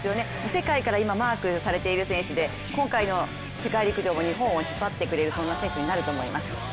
世界からマークされている選手で今回の世界陸上も日本を引っ張ってくれる選手になると思います。